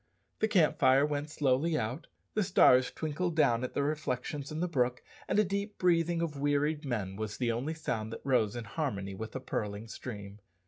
The camp fire went slowly out, the stars twinkled down at their reflections in the brook, and a deep breathing of wearied men was the only sound that rose in harmony with the purling stream.